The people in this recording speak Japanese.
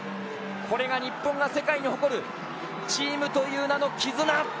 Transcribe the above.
これが日本が世界に誇るチームという名の絆！